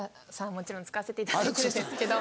もちろん使わせていただいてるんですけど。